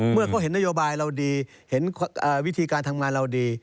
เมื่อเขาเห็นนโยบายเราดีเห็นวิธีการทำงานเราดี